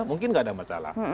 mungkin tidak ada masalah